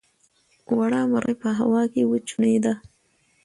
وړه مرغۍ په هوا کې وچوڼېده.